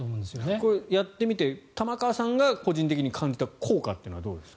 これ、やってみて玉川さんが個人的に感じた効果はどうですか？